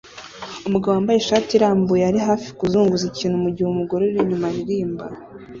Umugabo wambaye ishati irambuye ari hafi kuzunguza ikintu mugihe umugore uri inyuma aririmba